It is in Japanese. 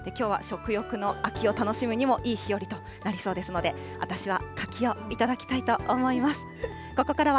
きょうは食欲の秋を楽しむにもいい日和となりそうですので、私は柿を頂きたいと思います。